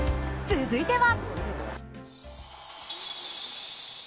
続いては。